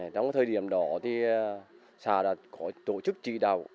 trong thời điểm đó thì xá đã có tổ chức trị đào